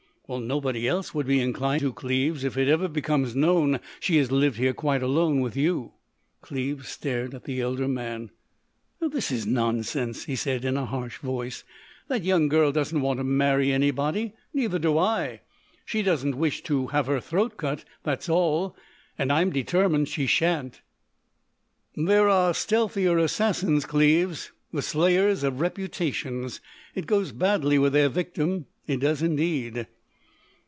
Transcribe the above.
"Well, nobody else would be inclined to, Cleves, if it ever becomes known she has lived here quite alone with you." Cleves stared at the elder man. "This is nonsense," he said in a harsh voice. "That young girl doesn't want to marry anybody. Neither do I. She doesn't wish to have her throat cut, that's all. And I'm determined she shan't." "There are stealthier assassins, Cleves,—the slayers of reputations. It goes badly with their victim. It does indeed."